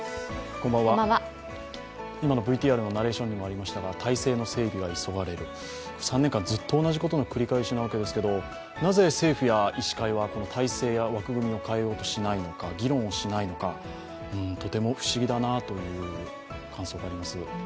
今のＶＴＲのナレーションにもありましたが、態勢の整備が急がれる、３年間ずっと同じことの繰り返しなわけですけれども、なぜ政府や医師会は体制や枠組みを変えようとしないのか、議論をしないのか、とても不思議だなという感想があります。